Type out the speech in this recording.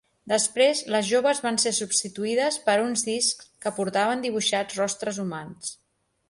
Després les joves van ser substituïdes per uns discs que portaven dibuixats rostres humans.